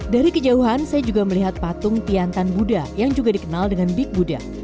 dari kejauhan saya juga melihat patung tiantan buddha yang juga dikenal dengan big buddha